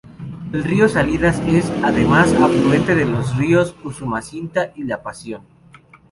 El río Salinas es, además, afluente de los ríos Usumacinta y La Pasión.